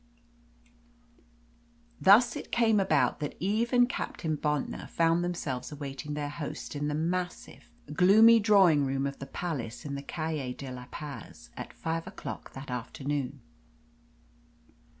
Thus it came about that Eve and Captain Bontnor found themselves awaiting their host in the massive, gloomy drawing room of the Palace in the Calle de la Paz at five o'clock that afternoon.